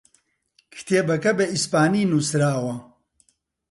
کتێبەکە بە ئیسپانی نووسراوە.